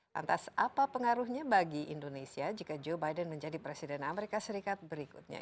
lantas apa pengaruhnya bagi indonesia jika joe biden menjadi presiden amerika serikat berikutnya